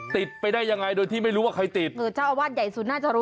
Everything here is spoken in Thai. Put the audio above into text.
ติดไปได้ยังไงโดยที่ไม่รู้ว่าใครติด